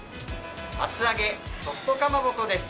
厚揚げソフトかまぼこです。